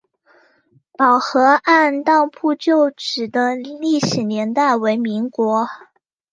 宝和按当铺旧址的历史年代为民国。